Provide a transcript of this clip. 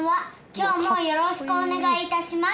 きょうもよろしくおねがいいたします。